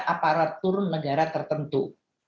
aparatur negara tertentu